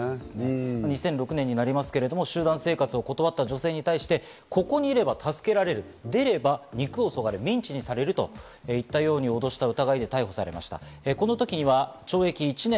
２００６年になりますけれども、集団生活を断った女性に対して、ここにいれば助けられる、出れば肉をそがれ、ミンチにされると言ったように、脅した疑いで逮捕されました。